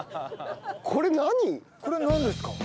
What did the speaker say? これなんですか？